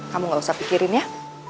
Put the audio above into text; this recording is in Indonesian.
kamu gak usah pikirin ya